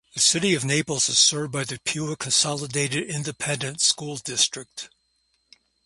The City of Naples is served by Pewitt Consolidated Independent School District.